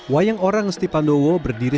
wayang orang ngesti pandowo berdiri